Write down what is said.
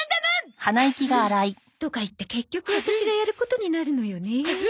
はあ。とかいって結局ワタシがやることになるのよねえ